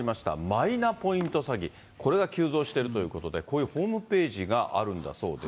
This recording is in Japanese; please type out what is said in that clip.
マイナポイント詐欺、これが急増しているということで、こういうホームページがあるんだそうです。